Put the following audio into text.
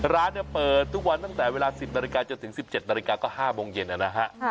ร้านเปิดทุกวันตั้งแต่เวลา๑๐นาฬิกาจนถึง๑๗นาฬิกาก็๕โมงเย็นนะฮะ